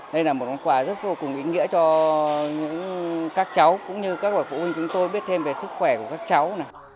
đây là một món quà rất vô cùng ý nghĩa cho các cháu cũng như các bậc phụ huynh chúng tôi biết thêm về sức khỏe của các cháu